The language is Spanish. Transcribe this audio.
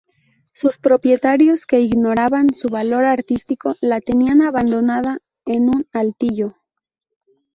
Sus propietarios, que ignoraban su valor artístico, la tenían abandonada en un altillo.